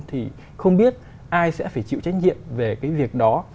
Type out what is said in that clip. thì không biết ai sẽ phải chịu trách nhiệm về cái việc đó